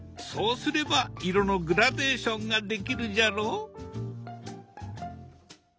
そうすれば色のグラデーションができるじゃろ？